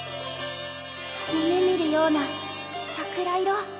夢みるような桜色。